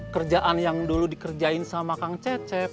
kerjaan yang dulu dikerjain sama kang cecep